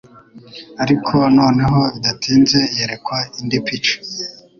Ariko noneho bidatinze yerekwa indi pica: